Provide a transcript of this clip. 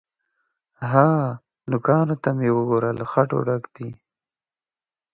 _ها! نوکانو ته مې وګوره، له خټو ډک دي.